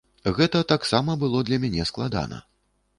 Гэта таксама было для мяне складана.